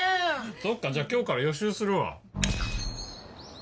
そっかじゃあ今日から予習するわ。